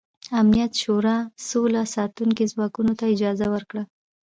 امنیت شورا سوله ساتو ځواکونو ته اجازه ورکړه.